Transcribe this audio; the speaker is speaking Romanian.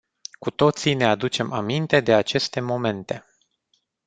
Cu toții ne aducem aminte de aceste momente.